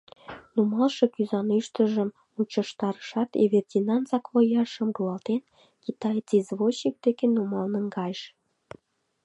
Нумалше кӱзанӱштыжым мучыштарышат, Эвердинан саквояжшым руалтен, китаец-извозчик деке нумал наҥгайыш.